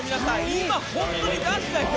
今、本当に男子代表